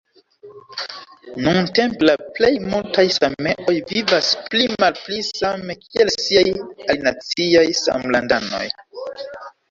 Nuntempe la plej multaj sameoj vivas pli-malpli same kiel siaj alinaciaj samlandanoj.